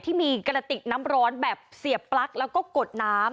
ที่มีกระติกน้ำร้อนแบบเสียบปลั๊กแล้วก็กดน้ำ